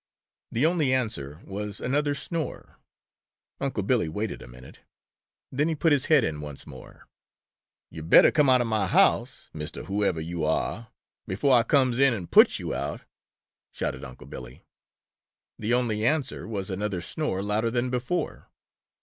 The only answer was another snore. Unc' Billy waited a minute. Then he put his head in once more. "Yo' better come out of mah house, Mr. Who ever yo' are, before Ah comes in and puts yo' out!" shouted Unc' Billy. The only answer was a snore louder than before.